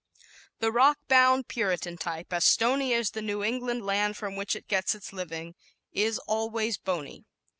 The "rock bound Puritan" type, as stony as the New England land from which it gets its living, is always bony.